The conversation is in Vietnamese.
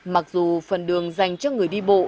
mặc dù phần đường dành cho người đi bộ